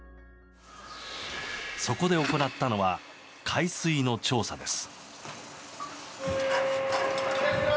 そこで行ったのは海水の調査です。